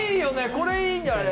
これいいんじゃない？